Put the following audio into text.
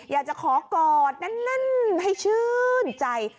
อยากจะขอกอดแน่นให้ชื่นใจ